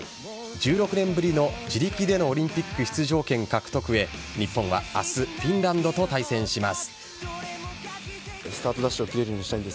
１６年ぶりの、自力でのオリンピック出場権獲得へ日本は、明日フィンランドと対戦します。